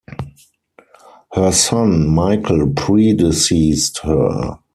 Her son Michael pre-deceased her.